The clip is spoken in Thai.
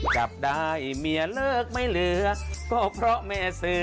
จับได้เมียเลิกไม่เหลือก็เพราะแม่ซื้อ